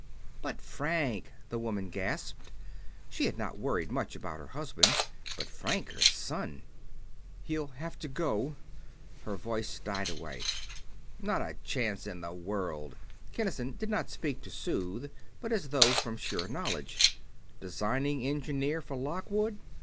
"But Frank!" the woman gasped. She had not worried much about her husband; but Frank, her son.... "He'll have to go...." Her voice died away. "Not a chance in the world." Kinnison did not speak to soothe, but as though from sure knowledge. "Designing Engineer for Lockwood?